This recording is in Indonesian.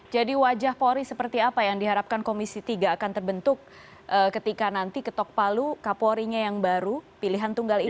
jadi wajah polri seperti apa yang diharapkan komisi tiga akan terbentuk ketika nanti ketok palu kapolrinya yang baru pilihan tunggal ini